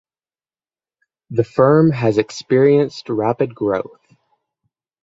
The firm has experienced rapid growth.